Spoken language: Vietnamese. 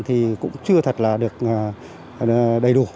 thì cũng chưa thật là được đầy đủ